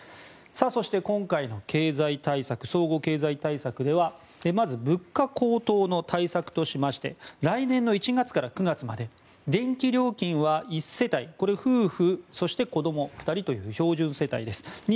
そして今回の総合経済対策ではまず物価高騰の対策としまして来年の１月から９月まで電気料金は１世帯これ、夫婦、そして子ども２人という標準世帯です。